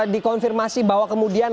dikonfirmasi bahwa kemudian